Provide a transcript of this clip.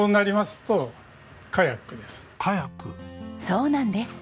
そうなんです。